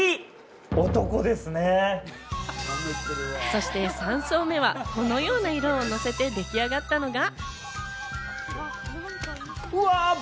そして３層目はこのような色をのせて出来上がったのが。